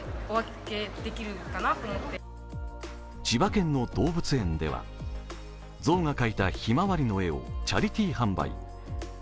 千葉県の動物園では象が描いたひまわりの絵をチャリティー販売。